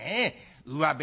うわべ